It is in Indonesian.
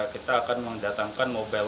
kita akan mendatangkan mobile